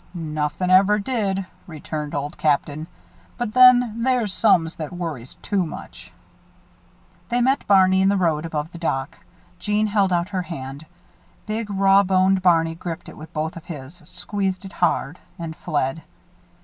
"Nothin' ever did," returned Old Captain. "But then, there's some that worries too much." They met Barney in the road above the dock. Jeanne held out her hand. Big, raw boned Barney gripped it with both of his, squeezed it hard and fled.